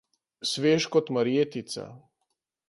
Svež kot marjetica.